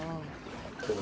di dalam erpetra